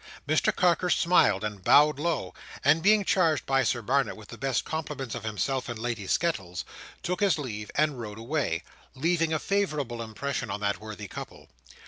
Mr Carker smiled and bowed low, and being charged by Sir Barnet with the best compliments of himself and Lady Skettles, took his leave, and rode away: leaving a favourable impression on that worthy couple.